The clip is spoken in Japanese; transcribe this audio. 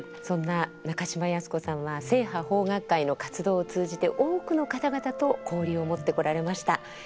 そんな中島靖子さんは正派邦楽会の活動を通じて多くの方々と交流を持ってこられました。